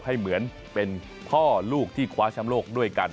ให้เหมือนเป็นพ่อลูกที่คว้าแชมป์โลกด้วยกัน